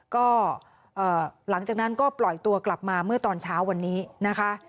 ก็หลังจากนั้นก็ปล่อยตัวกลับมาเมื่อตอนเช้าวันนี้นะคะ